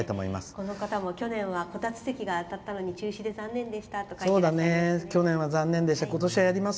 この方も去年はこたつ席が当たったのに中止で残念でしたと書いています。